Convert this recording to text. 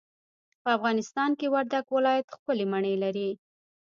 په افغانستان کي وردګ ولايت ښکلې مڼې لري.